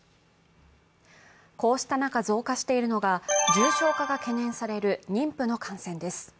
こうした中、増加しているのが重症化が懸念される妊婦の感染です。